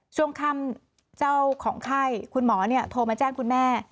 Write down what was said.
ช่วงค่ำเจ้าของไข้คุณหมอโทรมาแจ้งคุณแม่